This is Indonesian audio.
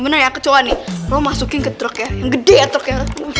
bener ya kecoa nih lo masukin ke truk ya yang gede ya truknya